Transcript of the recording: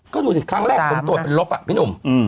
ก็ดูสิครั้งแรกผลตรวจเป็นลบอ่ะพี่หนุ่ม